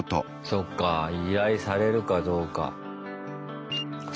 そっか依頼されるかどうか。